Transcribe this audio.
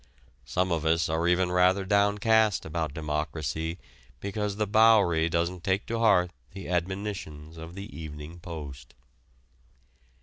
Some of us are even rather downcast about democracy because the Bowery doesn't take to heart the admonitions of the Evening Post.